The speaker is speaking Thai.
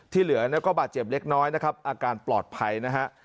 เหลือก็บาดเจ็บเล็กน้อยนะครับอาการปลอดภัยนะฮะ